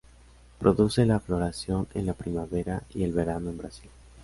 Produce la floración en la primavera y el verano en Brasil.